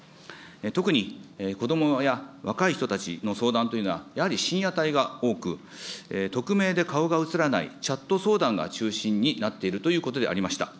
特に子どもや若い人たちの相談というのはやはり深夜帯が多く、匿名で顔が映らないチャット相談が中心になっているということでありました。